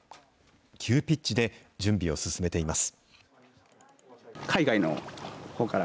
急ピッチで準備を進めています。